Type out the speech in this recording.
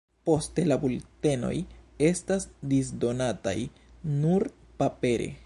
Ofte la bultenoj estas disdonataj nur papere.